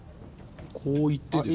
こういってですよ